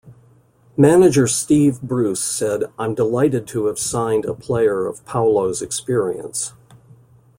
Manager Steve Bruce said I'm delighted to have signed a player of Paulo's experience.